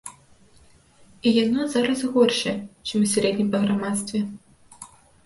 І яно зараз горшае, чым у сярэднім па грамадстве.